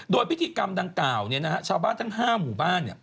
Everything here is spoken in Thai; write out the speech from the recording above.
โดยพิธีกรรมดังกล่าวชาวบ้านทั้ง๕หมู่บ้าน